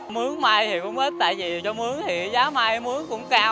mướn may thì cũng ít tại vì cho mướn thì giá may mướn cũng cao